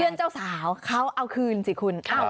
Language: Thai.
เพื่อนเจ้าสาวเขาเอาคืนสิคุณ